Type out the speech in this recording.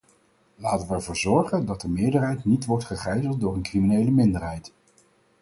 Laten we ervoor zorgen dat de meerderheid niet wordt gegijzeld door een criminele minderheid.